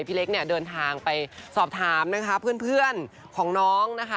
พี่เล็กเนี่ยเดินทางไปสอบถามนะคะเพื่อนของน้องนะคะ